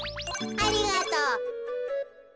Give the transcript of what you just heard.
ありがとう。